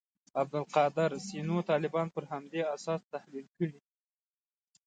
عبدالقادر سینو طالبان پر همدې اساس تحلیل کړي.